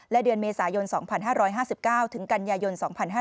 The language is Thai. และเดือนเมษายน๒๕๕๙ถึงกันยายน๒๕๕๙